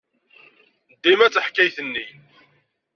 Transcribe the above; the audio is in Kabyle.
Dima d taḥkayt-nni.